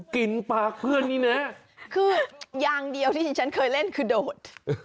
กลิ่นปากเพื่อนนี่นะคือยางเดียวที่ฉันเคยเล่นคือโดด